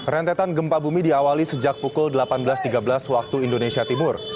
rentetan gempa bumi diawali sejak pukul delapan belas tiga belas waktu indonesia timur